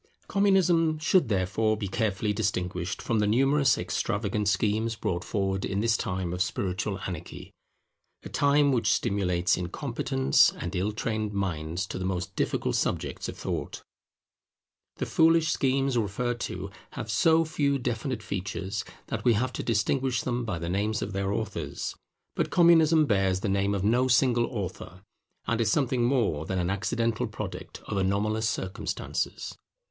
Communism should therefore be carefully distinguished from the numerous extravagant schemes brought forward in this time of spiritual anarchy; a time which stimulates incompetent and ill trained minds to the most difficult subjects of thought. The foolish schemes referred to have so few definite features, that we have to distinguish them by the names of their authors. But Communism bears the name of no single author, and is something more than an accidental product of anomalous circumstances.